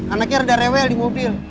anaknya reda rewel di mobil